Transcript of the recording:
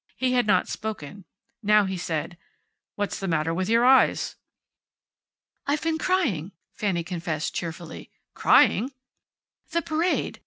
He had not spoken. Now he said: "What's the matter with your eyes?" "I've been crying," Fanny confessed cheerfully. "Crying!" "The parade.